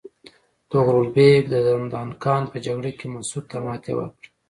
طغرل بیګ د دندان قان په جګړه کې مسعود ته ماتې ورکړه.